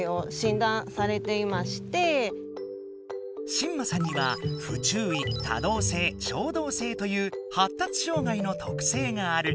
しんまさんには「不注意」「多動性・衝動性」という発達障害の特性がある。